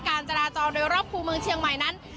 การจราจรโดยรอบคู่เมืองเชียงใหม่นั้น